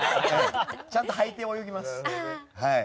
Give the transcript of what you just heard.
ちゃんとはいて泳ぎます。